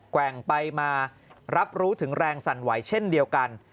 แว่งไปมารับรู้ถึงแรงสั่นไหวเช่นเดียวกัน